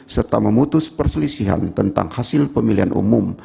serta memutus perselisihan tentang hasil pemilihan umum